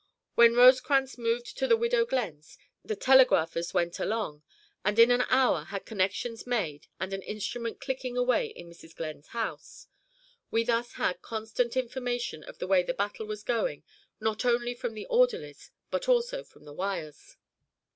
When Rosecrans removed to the Widow Glenn's, the telegraphers went along, and in an hour had connections made and an instrument clicking away in Mrs. Glenn's house. We thus had constant information of the way the battle was going, not only from the orderlies, but also from the wires.